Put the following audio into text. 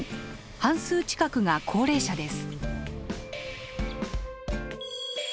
半数近くが高齢者です。